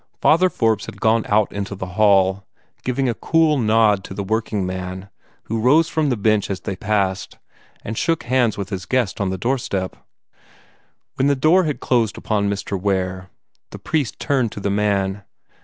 Father Forbes had come out into the hall, giving a cool nod to the working man, who rose from the bench as they passed, and shook hands with his guest on the doorstep. When the door had closed upon Mr. Ware, the priest turned to the man.